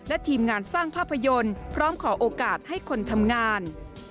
และทีมงานสร้างภาพยนตร์พร้อมขอโอกาสให้คนทำงาน